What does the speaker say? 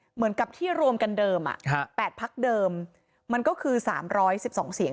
เหมือนกับที่รวมกันเดิมอ่ะครับแปดพักเดิมมันก็คือสามร้อยสิบสองเสียง